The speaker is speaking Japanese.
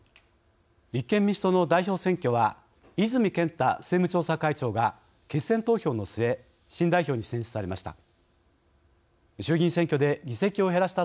立憲民主党の代表選挙は泉健太政務調査会長が決選投票の末新代表に選出されました。